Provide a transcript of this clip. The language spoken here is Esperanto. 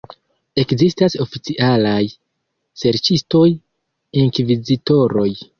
Ekzistas oficialaj serĉistoj, inkvizitoroj.